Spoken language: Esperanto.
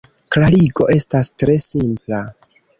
Klarigo estas tre simpla.